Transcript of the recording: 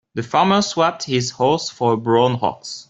The farmer swapped his horse for a brown ox.